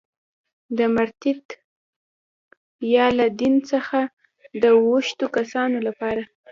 د مرتد یا له دین څخه د اوښتو کسانو لپاره.